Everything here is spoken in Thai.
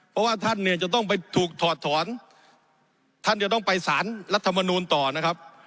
เพราะว่าท่านเนี่ยจะต้องไปถูกถอดถอนท่านจะต้องไปสารรัฐมนูลต่อนะครับ